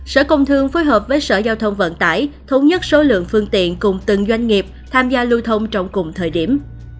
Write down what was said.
sở công thương phối hợp với sở giao thông vận tải thống nhất số lượng phương tiện cùng từng doanh nghiệp tham gia lưu thông trong cùng thời điểm